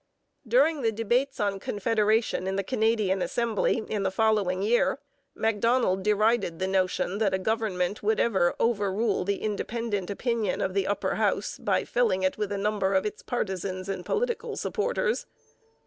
During the debates on Confederation in the Canadian Assembly, in the following year, Macdonald derided the notion that a government would ever 'overrule the independent opinion of the Upper House by filling it with a number of its partisans and political supporters.'